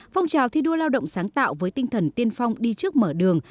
phong trào thi đua lao động sáng tạo với tinh thần tiên phong đi trước mở đường